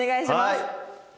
はい。